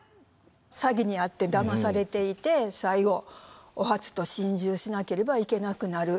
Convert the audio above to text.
詐欺に遭ってだまされていて最後お初と心中しなければいけなくなる。